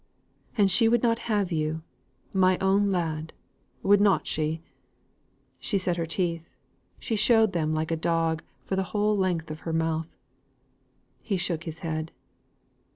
And she would not have you, my own lad, would not she?" She set her teeth; she showed them like a dog for the whole length of her mouth. He shook his head.